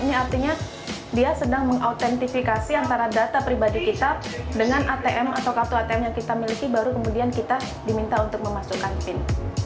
ini artinya dia sedang mengautentifikasi antara data pribadi kita dengan atm atau kartu atm yang kita miliki baru kemudian kita diminta untuk memasukkan pin